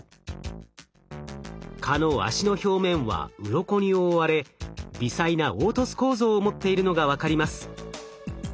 蚊の脚の表面はうろこに覆われ微細な凹凸構造を持っているのが分かります。